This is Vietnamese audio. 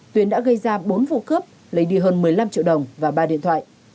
tuyến đã gây ra bốn vụ cướp lấy đi hơn một mươi năm triệu đồng và ba điện thoại